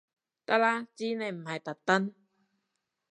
得啦知你唔係特登